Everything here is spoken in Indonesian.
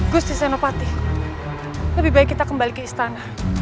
gusti senopati lebih baik kita kembali ke istana